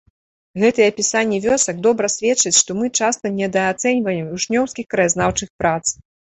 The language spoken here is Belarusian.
Гэтыя апісанні вёсак добра сведчаць, што мы часта недаацэньваем вучнёўскіх краязнаўчых прац.